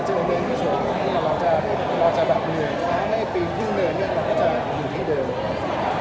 ทีนี้เราเจอเรื่องที่ส่วนที่เราจะแบบเหนื่อยครับในปีครึ่งเหนื่อยเนี่ยเราก็จะอยู่ที่เดิม